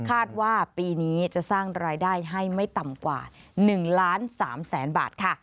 คาดว่าปีนี้จะสร้างรายได้ให้ไม่ต่ำกว่า๑ล้าน๓แสนบาทค่ะ